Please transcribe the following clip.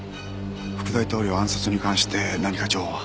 副大統領暗殺に関して何か情報は？